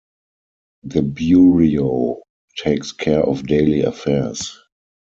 The Bureau takes care of daily affairs.